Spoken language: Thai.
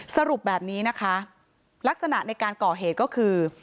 สรุปแบบนี้นะคะลักษณะในการก่อเหตุก็คือ